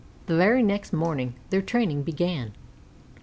The very next morning their training began.